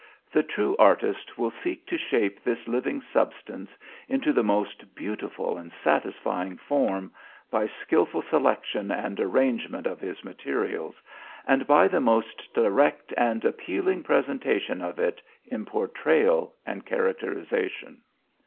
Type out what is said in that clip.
The true artist will seek to shape this living substance into the most beautiful and satisfying form, by skillful selection and arrangement of his materials, and by the most direct and appealing presentation of it in portrayal and characterization.